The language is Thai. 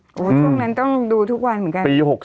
โอ้โหช่วงนั้นต้องดูทุกวันเหมือนกันปี๖๖